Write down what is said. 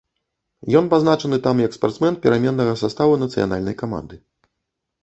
Ён пазначаны там як спартсмен пераменнага саставу нацыянальнай каманды.